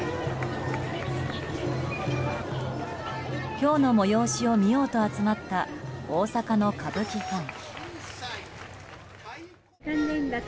今日の催しを見ようと集まった大阪の歌舞伎ファン。